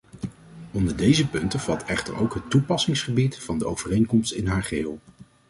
Onder deze punten valt echter ook het toepassingsgebied van de overeenkomst in haar geheel.